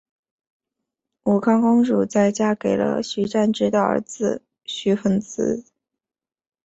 武康公主在嫁给了徐湛之的儿子徐恒之。